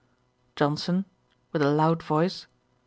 JOHNSON, (with a loud voice.)